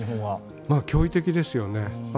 驚異的ですよね。